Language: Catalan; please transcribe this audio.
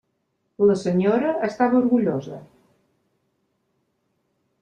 La senyora estava orgullosa.